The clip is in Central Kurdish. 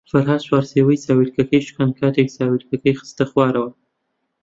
فەرھاد چوارچێوەی چاویلکەکەی شکاند کاتێک چاویلکەکەی خستە خوارەوە.